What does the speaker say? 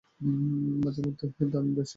মাঝেমধ্যে দাম বেশ উঠা-নামা করে।